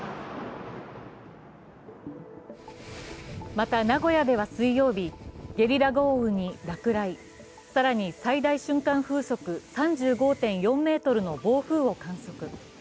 また、名古屋では水曜日、ゲリラ豪雨に落雷、更に最大瞬間風速３５．４メートルの暴風を観測。